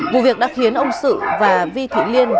vụ việc đã khiến ông sự và vi thị liên